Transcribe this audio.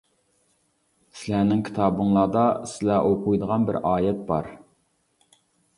سىلەرنىڭ كىتابىڭلاردا سىلەر ئوقۇيدىغان بىر ئايەت بار.